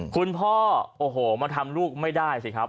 คุณพ่อโอ้โหมาทำลูกไม่ได้สิครับ